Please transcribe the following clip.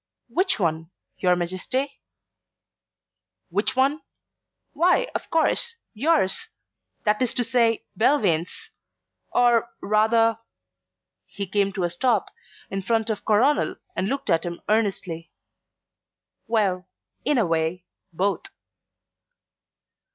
"Which one, your Majesty?" "Which one? Why, of course, yours that is to say, Belvane's or rather " He came to a stop in front of Coronel and looked at him earnestly. "Well, in a way, both."